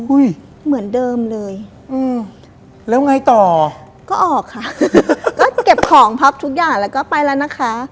เหมือนเดิมเลยอืมแล้วไงต่อก็ออกค่ะก็เก็บของพับทุกอย่างแล้วก็ไปแล้วนะคะ